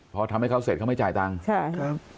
พอทำให้เขาเสร็จเขาไม่จ่ายตังค์ใช่ครับ